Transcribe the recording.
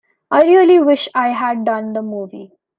I really wish I'd done the movie.